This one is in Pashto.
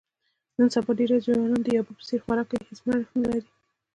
نن سبا ډېری ځوانان د یابو په څیر خوراک کوي، هېڅ مړښت نه لري.